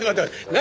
何？